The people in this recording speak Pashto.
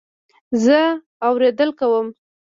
زه اورېدل کوم